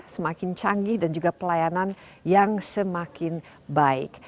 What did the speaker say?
semakin canggih dan juga pelayanan yang semakin baik